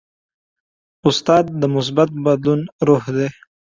استاد د مثبت بدلون روح دی.